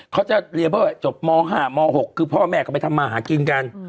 เขาจะเรียนเพื่อจบม๕ม๖คือพ่อแม่ก็ไปทำมาหากินกัน